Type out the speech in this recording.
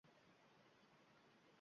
U tugunni orqasiga yashirdi.